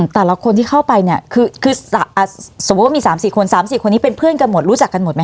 แต่ละคนที่เข้าไปเนี่ยคือสมมุติว่ามี๓๔คน๓๔คนนี้เป็นเพื่อนกันหมดรู้จักกันหมดไหม